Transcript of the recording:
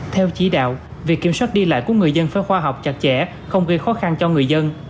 theo chỉ đạo việc kiểm soát đi lại của người dân phải khoa học chặt chẽ không gây khó khăn cho người dân